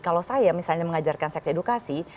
kalau saya misalnya mengajarkan seks edukasi